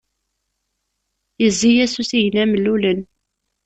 Yezzi-as usigna mellulen.